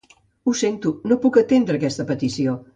Ho sento, no puc atendre aquesta petició.